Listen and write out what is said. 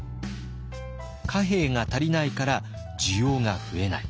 貨幣が足りないから需要が増えない。